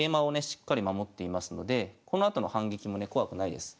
しっかり守っていますのでこのあとの反撃もね怖くないです。